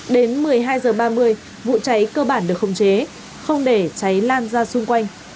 đến một mươi hai h ba mươi vụ cháy cơ bản được khống chế không để cháy lan ra xung quanh